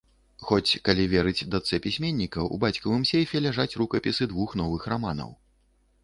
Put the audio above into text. Хоць, калі верыць дачцэ пісьменніка, у бацькавым сейфе ляжаць рукапісы двух новых раманаў.